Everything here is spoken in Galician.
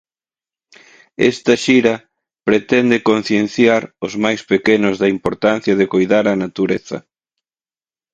Esta xira pretende concienciar os máis pequenos da importancia de coidar a natureza.